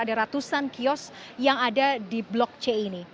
terus yang ada di blok c ini